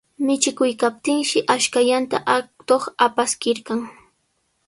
Michikuykaptinshi ashkallanta atuq apaskirqan.